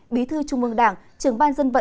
bí thư trung ương đảng trưởng ban dân vận